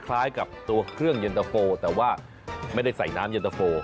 ภรรดาร้านอื่นก็มีตัวเย็นตะโฟ